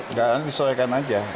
nggak disesuaikan aja